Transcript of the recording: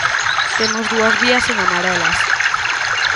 Temos dúas vías en Amarelas.